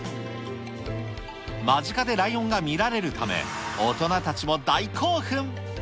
間近でライオンが見られるため、大人たちも大興奮。